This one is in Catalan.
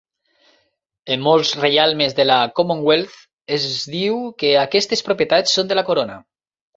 En molts reialmes de la Commonwealth, es diu que aquestes propietats són de la Corona.